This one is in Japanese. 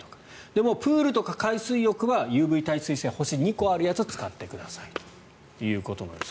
でも、プールとか海水浴はＵＶ耐水性が星２個あるやつを使ってくださいということです。